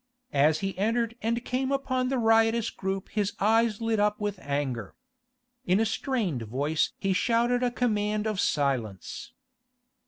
As he entered and came upon the riotous group his eyes lit up with anger. In a strained voice he shouted a command of silence.